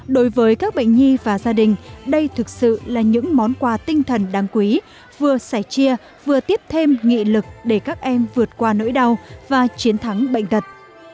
đối với các bệnh nhi và gia đình đây thực sự là những món quà tinh thần đáng quý vừa sẻ chia vừa tiếp thêm nghị lực để các em vượt qua nỗi đau và chiến thắng bệnh tật